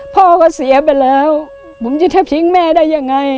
พ่อก็เสียไปแล้วผมจะแทบทิ้งแม่ได้ยังไง